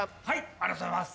ありがとうございます。